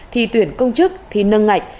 thi tuyển công chức thi nâng ngạch